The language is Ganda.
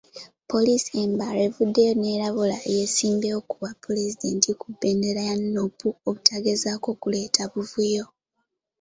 Poliisi e Mbarara evuddeyo n'erabula eyeesimbyewo ku bwapulezidenti ku bbendera ya Nuupu, obutagezaako kuleeta buvuyo.